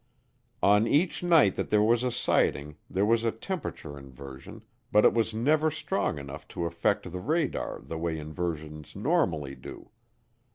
On each night that there was a sighting there was a temperature inversion but it was never strong enough to affect the radar the way inversions normally do.